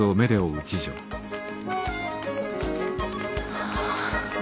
はあ。